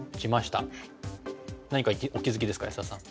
何かお気付きですか安田さん。